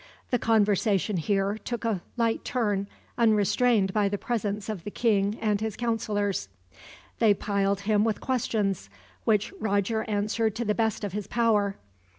The conversation here took a light turn, unrestrained by the presence of the king and his counselors. They plied him with questions, which Roger answered to the best of his power.